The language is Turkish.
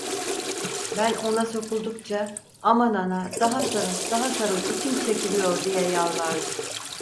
Ben ona sokuldukça: "Aman ana, daha sarıl, daha sarıl, içim çekiliyor", diye yalvardı.